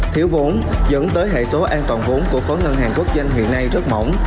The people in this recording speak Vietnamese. thiếu vốn dẫn tới hệ số an toàn vốn của phó ngân hàng quốc doanh hiện nay rất mỏng